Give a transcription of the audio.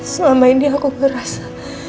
selama ini aku merasa